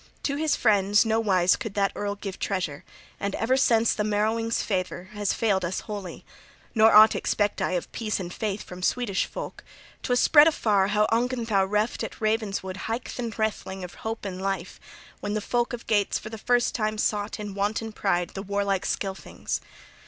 To his friends no wise could that earl give treasure! And ever since the Merowings' favor has failed us wholly. Nor aught expect I of peace and faith from Swedish folk. 'Twas spread afar how Ongentheow reft at Ravenswood Haethcyn Hrethling of hope and life, when the folk of Geats for the first time sought in wanton pride the Warlike Scylfings.